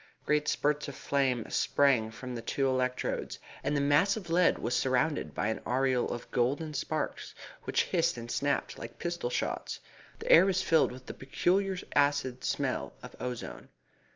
Great spurts of flame sprang from the two electrodes, and the mass of lead was surrounded by an aureole of golden sparks, which hissed and snapped like pistol shots. The air was filled with the peculiar acid smell of ozone.